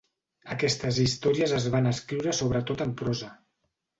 Aquestes històries es van escriure sobretot en prosa.